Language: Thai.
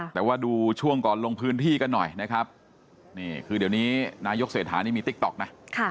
แต่ว่าดูช่วงก่อนลงพื้นที่กันหน่อยนะครับนี่คือเดี๋ยวนี้นายกเศรษฐานี่มีติ๊กต๊อกนะ